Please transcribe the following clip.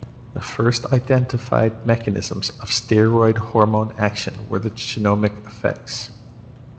The first identified mechanisms of steroid hormone action were the genomic effects.